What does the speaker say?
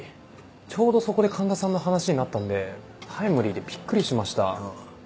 ちょうどそこで環田さんの話になったんでタイムリーでびっくりしました。